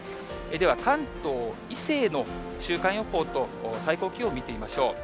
では、関東以西の週間予報と、最高気温を見てみましょう。